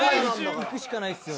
行くしかないですよね。